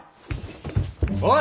おい！